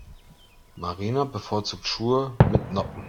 Marina bevorzugt Schuhe mit Noppen.